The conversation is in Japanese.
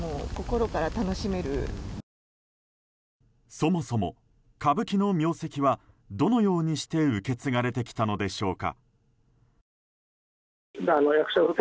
そもそも、歌舞伎の名跡はどのようにして受け継がれてきたのでしょうか。